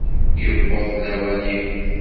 Yewweḍ-d lawan-im!